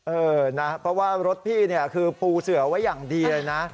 เออนะเพราะว่ารถพี่เนี่ยคือปูเสือไว้อย่างดีเลยนะ